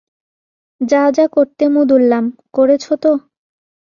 যা যা করতে মুদুল্লাম, করেছ তো?